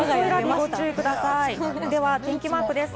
では天気マークです。